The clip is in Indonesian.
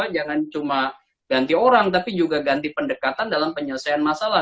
jangan cuma ganti orang tapi juga ganti pendekatan dalam penyelesaian masalah